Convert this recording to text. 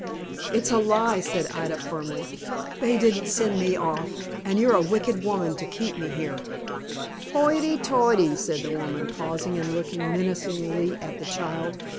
"It's a lie," said Ida, firmly. "They didn't send me off, and you're a wicked woman to keep me here." "Hoity toity!" said the woman, pausing and looking menacingly at the child.